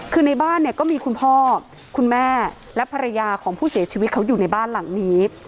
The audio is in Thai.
คือในบ้านเนี่ยก็มีคุณพ่อคุณแม่และภรรยาของผู้เสียชีวิตเขาอยู่ในบ้านหลังนี้